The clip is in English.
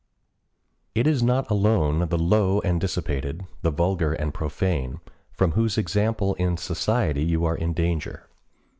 It is not alone the low and dissipated, the vulgar and profane, from whose example and society you are in danger.